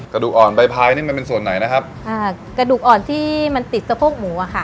กระดูกอ่อนใบพายนี่มันเป็นส่วนไหนนะครับอ่ากระดูกอ่อนที่มันติดสะโพกหมูอ่ะค่ะ